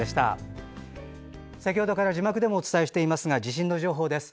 先ほどから字幕でもお伝えしていますが地震の情報です。